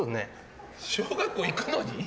小学校に行くのに？